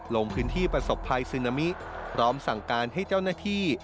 ลงพื้นที่ประสบภัยซึนามิพร้อมสั่งการให้เจ้าหน้าที่